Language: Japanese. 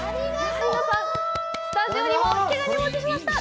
スタジオにも毛ガニをお持ちしました。